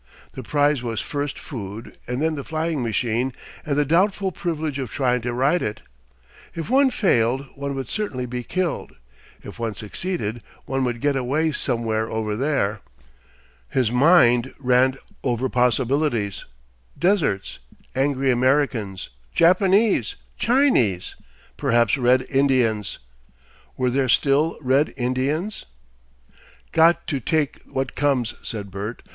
The prize was first food and then the flying machine and the doubtful privilege of trying' to ride it. If one failed, one would certainly be killed; if one succeeded, one would get away somewhere over there. For a time Bert tried to imagine what it was like over there. His mind ran over possibilities, deserts, angry Americans, Japanese, Chinese perhaps Red Indians! (Were there still Red Indians?) "Got to take what comes," said Bert.